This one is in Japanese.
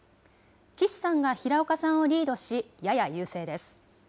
岸さんが平岡さんをリードし、やや優勢です。